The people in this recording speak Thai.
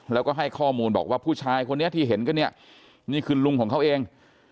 แล้วก็ให้ข้อมูลบอกว่าผู้ชายคนนี้ที่เห็นกันเนี่ยนี่คือลุงของเขาเอง